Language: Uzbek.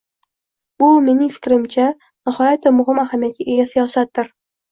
Bu, mening fikrimcha, nihoyatda muhim ahamiyatga ega siyosatdir